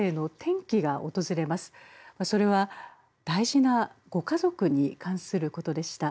それは大事なご家族に関することでした。